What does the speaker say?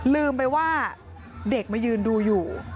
ลืมไปว่าเด็กมายืนดูอยู่